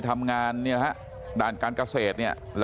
พวกมันกลับมาเมื่อเวลาที่สุดพวกมันกลับมาเมื่อเวลาที่สุด